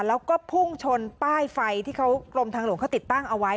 แล้วก็พุ่งชนป้ายไฟที่เขากรมทางหลวงเขาติดตั้งเอาไว้